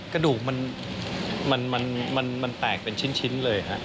กระดูกมันแตกเป็นชิ้นเลยฮะ